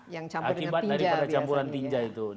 yang campur dengan pinja